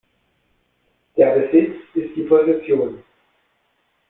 Der Besitz ist die "Possession".